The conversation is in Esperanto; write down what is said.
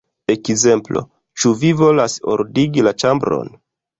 Ekzemplo: 'Ĉu vi volas ordigi la ĉambron?